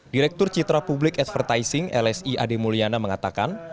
direktur citra publik advertising lsi ade mulyana mengatakan